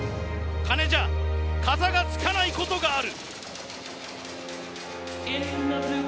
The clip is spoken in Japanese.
金じゃ、片が付かないことがある。